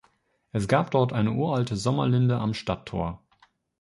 Es gab dort eine uralte Sommerlinde am Stadttor.